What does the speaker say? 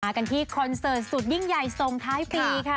กันที่คอนเสิร์ตสุดยิ่งใหญ่ส่งท้ายปีค่ะ